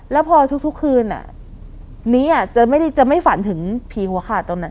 แล้วพอทุกทุกคืนอ่ะนี้อ่ะจะไม่ได้จะไม่ฝันถึงผีหัวขาดตรงนั้น